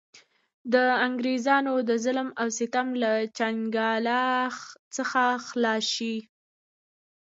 د انګرېزانو د ظلم او ستم له چنګاله څخه خلاص شـي.